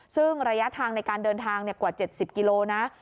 ซึ่งระยะทางในการเดินทางกว่า๗๐กิโลนะ